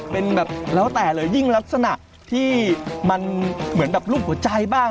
เป็นแบบแล้วแต่เลยยิ่งลักษณะที่มันเหมือนแบบรูปหัวใจบ้าง